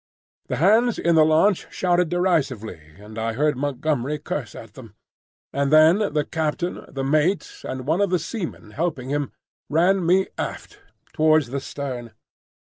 The hands in the launch shouted derisively, and I heard Montgomery curse at them; and then the captain, the mate, and one of the seamen helping him, ran me aft towards the stern.